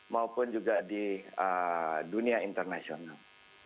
maupun juga di dunia internasional